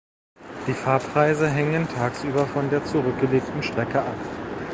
Die Fahrpreise hängen tagsüber von der zurückgelegten Strecke ab.